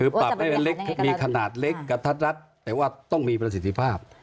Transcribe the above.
คือปรับให้มีขนาดเล็กกับทัศน์รัฐแต่ว่าต้องมีประสิทธิภาพ